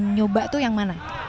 nyoba tuh yang mana